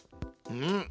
うん。